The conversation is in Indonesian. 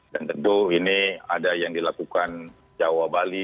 dan tentu ini ada yang dilakukan jawa bali